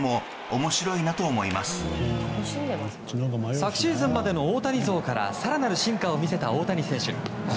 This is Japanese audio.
昨シーズンまでの大谷像から更なる進化を見せた大谷選手。